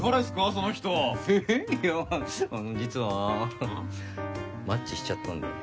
その人いやあの実はマッチしちゃったんだよ